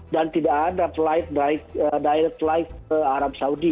dan tidak ada direct life ke arab saudi